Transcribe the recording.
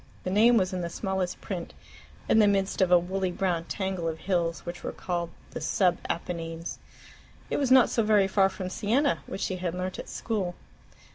The name was in the smallest print, in the midst of a woolly brown tangle of hills which were called the "Sub Apennines." It was not so very far from Siena, which she had learnt at school.